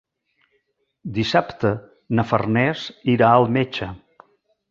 Dissabte na Farners irà al metge.